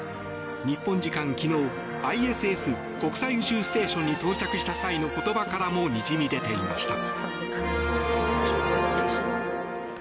日本時間昨日ＩＳＳ・国際宇宙ステーションに到着した際の言葉からもにじみ出ていました。